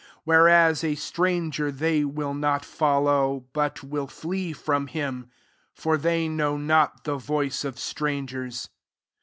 5 Where as, a stranger they will not fol low, but will flee from him : for they know not the voice of strangers.